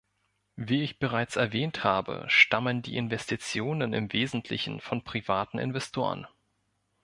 Wie ich bereits erwähnt habe, stammen die Investitionen im Wesentlichen von privaten Investoren.